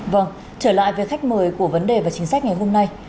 vâng trở lại vị khách mời của vấn đề và chính sách ngày hôm nay